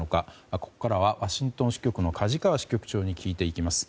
ここからはワシントン支局の梶川支局長に聞いていきます。